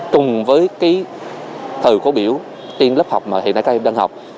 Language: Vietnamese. chung với cái thờ khố biểu tiên lớp học mà hiện nay các em đang học